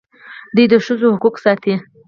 دوی د ښځو حقوق ساتي.